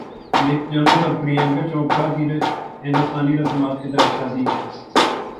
نک جونس اور پریانکا چوپڑا کی ہندو رسومات کے تحت شادی